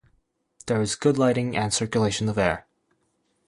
There is good lighting and circulation of air.